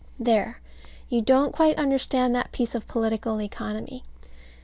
There you don't quite understand that piece of political economy.